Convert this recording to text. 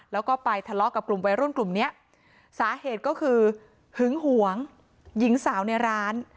แล้วก็ไปทะเลาะกับกลุ่มวัยรุ่นกลุ่มเนี้ยสาเหตุก็คือหึงหวงหญิงสาวในร้าน